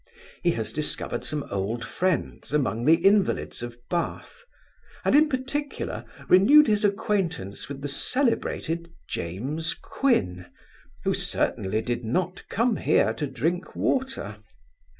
He has discovered some old friends, among the invalids of Bath; and, in particular, renewed his acquaintance with the celebrated James Quin, who certainly did not come here to drink water.